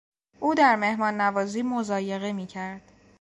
او در مهمان نوازی مضایقه میکرد.